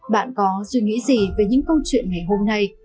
bạn có suy nghĩ gì về những câu chuyện ngày hôm nay